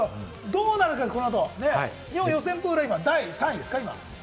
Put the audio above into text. どうなのか、この後、日本予選プール、現在、第３位ですか？